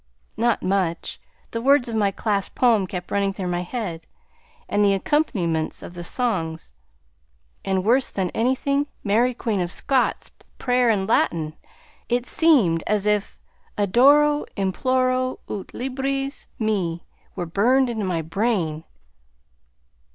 "Not much; the words of my class poem kept running through my head, and the accompaniments of the songs; and worse than anything, Mary Queen of Scots' prayer in Latin; it seemed as if "'Adoro, imploro, Ut liberes me!' were burned into my brain."